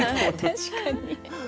確かに。